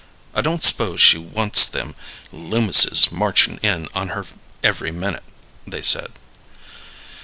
"I don't s'pose she wants them Loomises marchin' in on her every minute," they said.